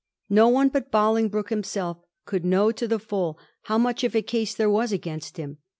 No one but Bolingbroke himself could know to the full how much of a case there was against him.